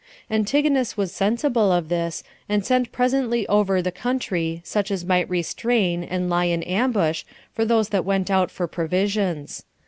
Antigonus was sensible of this, and sent presently over the country such as might restrain and lie in ambush for those that went out for provisions.